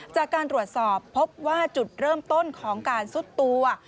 จากการตรวจสอบพบว่าจุดเริ่มต้นของการซุดตัว